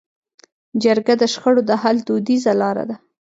جرګه د شخړو د حل دودیزه لار ده.